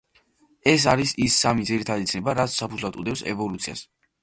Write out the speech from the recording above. ეს არის ის სამი ძირითადი ცნება, რაც საფუძვლად უდევს ევოლუციას.